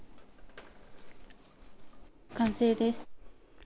完成です。